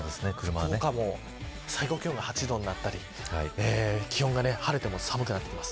福岡も最高気温が８度になったり気温が晴れても寒くなってきます。